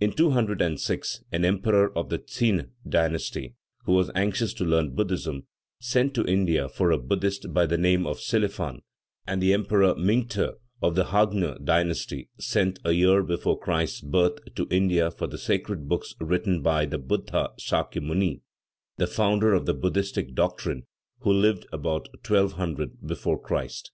In 206, an emperor of the Tsine dynasty, who was anxious to learn Buddhism, sent to India for a Buddhist by the name of Silifan, and the Emperor Ming Ti, of the Hagne dynasty, sent, a year before Christ's birth, to India for the sacred books written by the Buddha Sakya Muni the founder of the Buddhistic doctrine, who lived about 1200 before Christ.